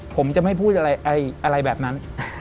ผมจะไม่พูดอะไรแบบนั้น